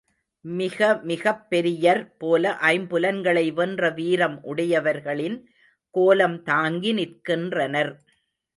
மிகமிகப் பெரியர் போல ஐம்புலன்களை வென்ற வீரம் உடையவர்களின் கோலம் தாங்கி நிற்கின்றனர்.